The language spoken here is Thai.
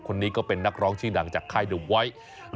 คนนี้ก็เป็นนักร้องชื่อดังจากค่ายหนุ่มไว้